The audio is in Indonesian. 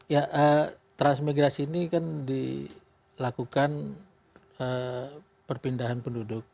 ya transmigrasi ini kan dilakukan perpindahan penduduk